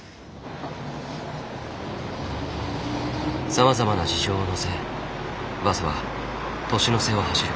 さまざまな事情を乗せバスは年の瀬を走る。